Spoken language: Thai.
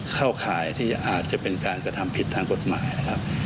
เข้าข่ายที่อาจจะเป็นการกระทำผิดทางกฎหมายนะครับ